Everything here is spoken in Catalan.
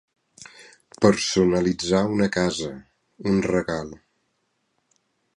Personalitzar una casa, un regal.